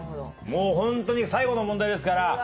もうホントに最後の問題ですから。